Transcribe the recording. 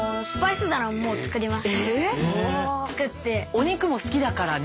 お肉も好きだからね。